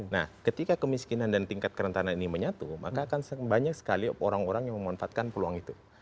nah ketika kemiskinan dan tingkat kerentanan ini menyatu maka akan banyak sekali orang orang yang memanfaatkan peluang itu